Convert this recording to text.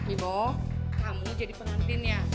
ibu kamu jadi pengantinnya